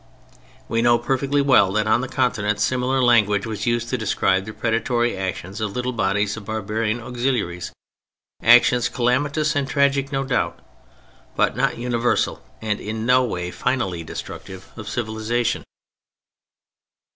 We know perfectly well that on the Continent similar language was used to describe the predatory actions of little bodies of barbarian auxiliaries; actions calamitous and tragic no doubt, but not universal and in no way finally destructive of civilization.